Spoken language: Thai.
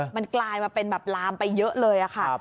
มันกลายมาเป็นแบบลามไปเยอะเลยค่ะ